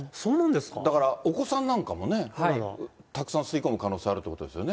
だからお子さんなんかもね、たくさん吸い込む可能性あるということですよね。